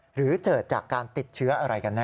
หรือเกิดจากการติดเชื้ออะไรกันแน